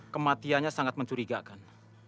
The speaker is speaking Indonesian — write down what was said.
kematiannya sangat mencurigakan